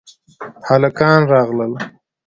هلکان راغل